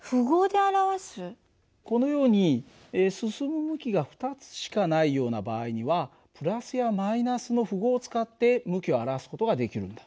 このように進む向きが２つしかないような場合にはプラスやマイナスの符号を使って向きを表す事ができるんだ。